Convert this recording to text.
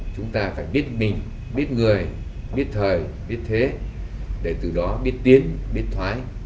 chúng ta phải biết mình biết người biết thời biết thế để từ đó biết tiến biết thoái